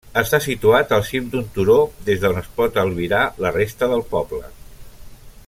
Està situat al cim d'un turó des d'on es pot albirar la resta del poble.